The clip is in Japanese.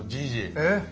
えっ？